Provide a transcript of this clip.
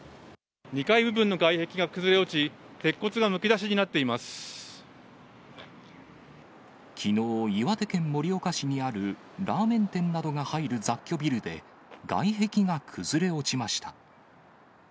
２階部分の外壁が崩れ落ち、きのう、岩手県盛岡市にあるラーメン店などが入る雑居ビルで、外壁が崩れ落ちました。